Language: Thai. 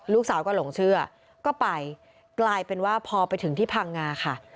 ลูกสาวก็หลงเชื่อก็ไปกลายเป็นว่าพอไปถึงที่พังงาค่ะ